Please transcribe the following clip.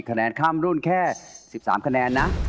คะแนนข้ามรุ่นแค่๑๓คะแนนนะ